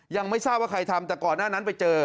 ยังไม่ทราบว่าใครทำแต่ก่อนหน้านั้นไปเจอ